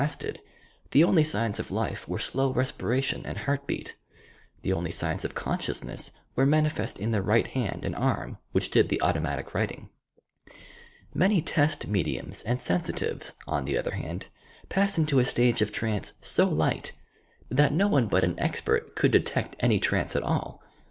stcd, the only signs of life were slow respiration and heart beat. The only signs of consciousness were manifest in the right hand and arm which did the automatic writing. Many test mediums and sensitives, on the other hand, pass into a stage of trance so light, that no one but 174 TOUR PSYCHIC POWERS an expert could detect any trance at all.